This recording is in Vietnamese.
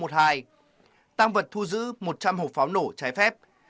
tăng vật thu giữ một trăm linh hộp pháo nổ trái phép